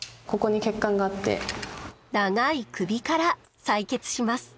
長い首から採血します。